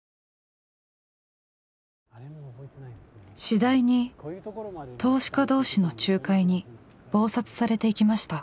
次第に投資家同士の仲介に忙殺されていきました。